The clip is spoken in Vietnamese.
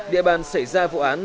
địa bàn xảy ra vụ án